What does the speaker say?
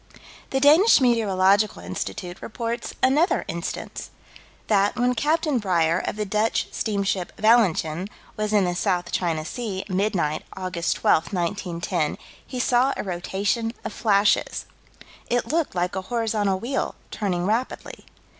The Danish Meteorological Institute reports another instance: That, when Capt. Breyer, of the Dutch steamer Valentijn, was in the South China Sea, midnight, Aug. 12, 1910, he saw a rotation of flashes. "It looked like a horizontal wheel, turning rapidly."